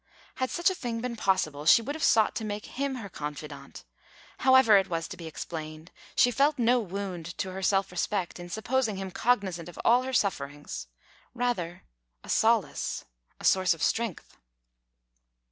Had such a thing been possible, she would have sought to make him her confidant. However it was to be explained, she felt no wound to her self respect in supposing him cognizant of all her sufferings; rather, a solace, a source of strength.